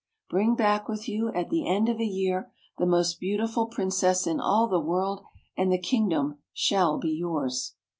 Bring back with you, at the end of a year, the most beautiful Princess in all the world, and the kingdom shall be yours."